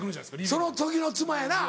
その時の妻やな。